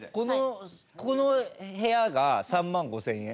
この部屋が３万５０００円？